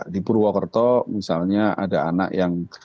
di purwokerto misalnya ada anak yang